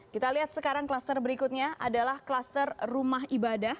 kita lihat sekarang kluster berikutnya adalah kluster rumah ibadah